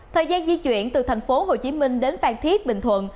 thời gian di chuyển từ thành phố hồ chí minh đến phan thiết bình thuận